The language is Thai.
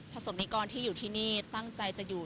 สมนิกรที่อยู่ที่นี่ตั้งใจจะอยู่